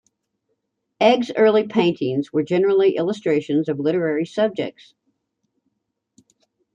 Egg's early paintings were generally illustrations of literary subjects.